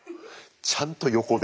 ちゃんと横で。